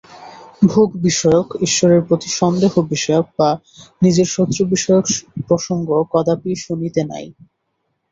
ভোগ-বিষয়ক, ঈশ্বরের প্রতি সন্দেহ-বিষয়ক, বা নিজের শত্রু-বিষয়ক প্রসঙ্গ কদাপি শুনিতে নাই।